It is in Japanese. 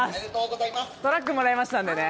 トラックもらいましたんでね